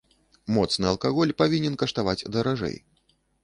Моцны алкаголь павінен каштаваць даражэй.